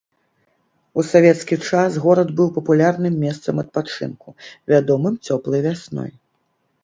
У савецкі час горад быў папулярным месцам адпачынку, вядомым цёплай вясной.